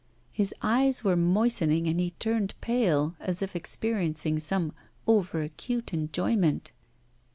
His eyes were moistening and he turned pale, as if experiencing some over acute enjoyment.